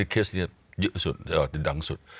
เคสนี้เยอะสุดดังสุด